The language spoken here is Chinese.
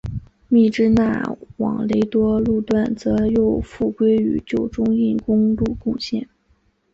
密支那往雷多路段则又复归与旧中印公路共线。